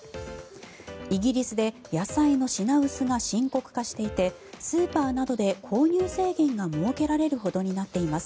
イギリスで野菜の品薄が深刻化していてスーパーなどで購入制限が設けられるほどになっています。